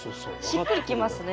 しっくりきますね